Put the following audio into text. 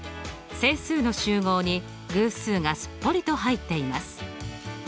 整数の集合に偶数がすっぽりと入っています。